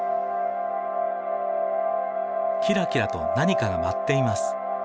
キラキラと何かが舞っています。